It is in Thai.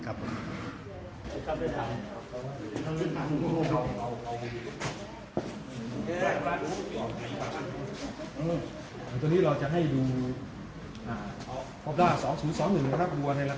ขอบคุณครับ